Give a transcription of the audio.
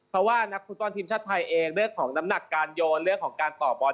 เพราะว่านักฟุตบอลทีมชาติไทยเองเรื่องของน้ำหนักการโยนเรื่องของการต่อบอล